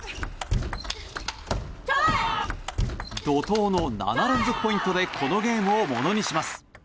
怒涛の７連続ポイントでこのゲームをものにします。